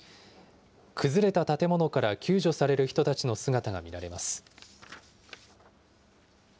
崩れた建物から救助される人たちの姿が見られます。